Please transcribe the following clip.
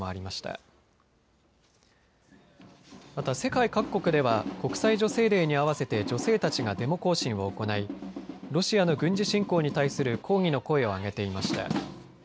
また世界各国では国際女性デーに合わせて女性たちがデモ行進を行いロシアの軍事侵攻に対する抗議の声を上げていました。